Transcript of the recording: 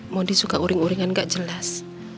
mondi suka uring uringan gak jelas